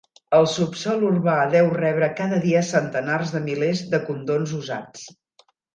El subsòl urbà deu rebre cada dia centenars de milers de condons usats.